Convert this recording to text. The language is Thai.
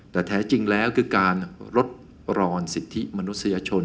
แต่แท้จริงแล้วคือการลดรอนสิทธิมนุษยชน